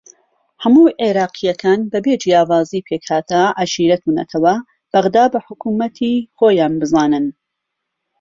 هەموو عێراقییەکان بەبێ جیاوازی پێکهاتە، عەشیرەت و نەتەوە بەغدا بە حکومەتی خۆیان بزانن.